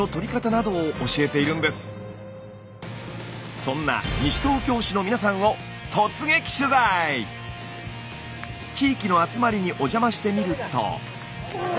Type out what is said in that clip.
そんな西東京市の皆さんを地域の集まりにお邪魔してみると。